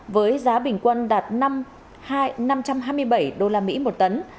với giá bình quân đạt năm trăm hai mươi bảy usd một tấn